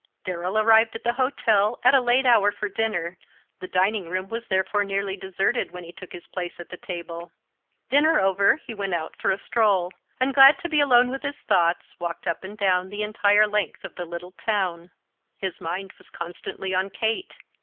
Darrell arrived at the hotel at a late hour for dinner; the dining room was therefore nearly deserted when he took his place at the table. Dinner over, he went out for a stroll, and, glad to be alone with his thoughts, walked up and down the entire length of the little town. His mind was constantly on Kate.